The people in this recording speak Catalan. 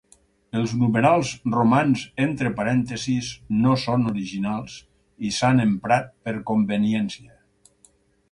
Els numerals romans entre parèntesis no són originals i s'han emprat per conveniència.